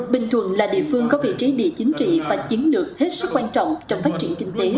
bình thuận là địa phương có vị trí địa chính trị và chiến lược hết sức quan trọng trong phát triển kinh tế